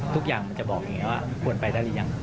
ทุกอย่างมันจะบอกว่าควรไปได้หรือยัง